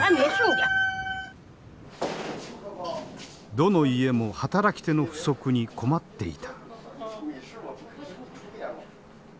どの家も働き手の不足に困っていた。